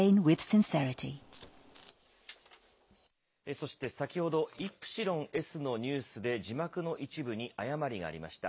そして先ほど、イプシロンＳのニュースで、字幕の一部に誤りがありました。